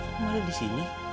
kamu ada di sini